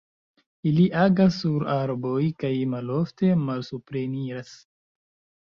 Ili agas sur arboj kaj malofte malsupreniras.